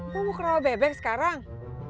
kok mau kerawal bebek sekarang